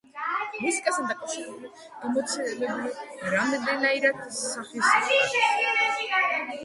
მუსიკასთან დაკავშირებული გამოცემები რამდენიმე სახის არის.